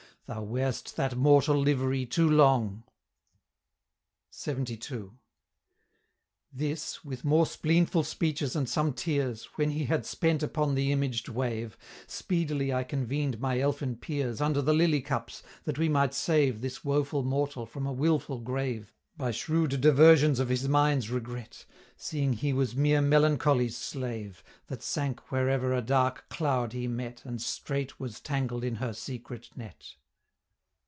Thou wear'st that mortal livery too long!'" LXXII. "This, with more spleenful speeches and some tears, When he had spent upon the imaged wave, Speedily I convened my elfin peers Under the lily cups, that we might save This woeful mortal from a wilful grave By shrewd diversions of his mind's regret, Seeing he was mere Melancholy's slave, That sank wherever a dark cloud he met, And straight was tangled in her secret net."